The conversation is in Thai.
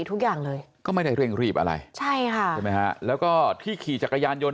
ทุกอย่างเลยก็ไม่ได้เร่งรีบอะไรใช่ค่ะใช่ไหมฮะแล้วก็ที่ขี่จักรยานยนต